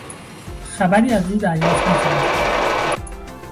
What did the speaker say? خبری از او دریافت نکردیم.